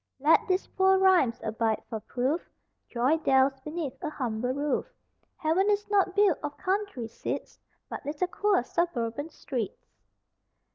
Let these poor rhymes abide for proof Joy dwells beneath a humble roof; Heaven is not built of country seats But little queer suburban streets!